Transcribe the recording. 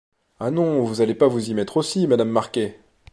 Ah non, vous allez pas vous y mettre aussi, madame Marquet !